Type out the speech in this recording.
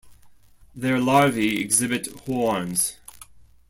Their larvae exhibit horns.